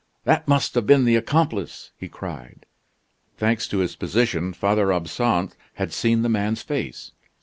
"That must have been the accomplice!" he cried. Thanks to his position, Father Absinthe had seen the man's face.